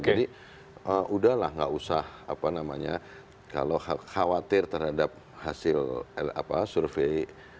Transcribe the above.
jadi udahlah nggak usah apa namanya kalau khawatir terhadap hasil apa survei